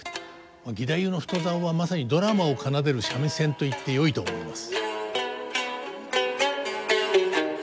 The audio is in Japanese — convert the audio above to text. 義太夫の太棹はまさにドラマを奏でる三味線といってよいと思います。